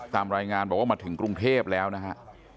ตามรายงานบอกว่ามาถึงกรุงเทพแล้วนะฮะ